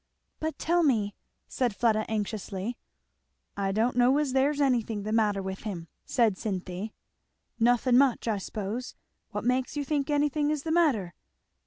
"But tell me," said Fleda anxiously. "I don't know as there's anything the matter with him," said Cynthy. "Nothing much, I suppose. What makes you think anything is the matter?"